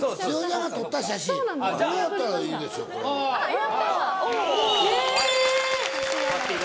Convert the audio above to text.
やった！